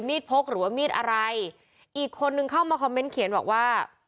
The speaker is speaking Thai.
พกหรือว่ามีดอะไรอีกคนนึงเข้ามาคอมเมนต์เขียนบอกว่า